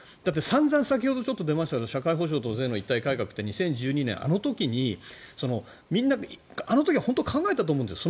先ほど出ましたが社会保障と税の一体改革って２０１２年、あの時にあの時は本当に考えたと思うんです。